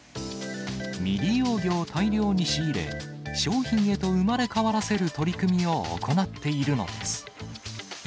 未利用魚を大量に仕入れ、商品へと生まれ変わらせる取り組みを行っているのです。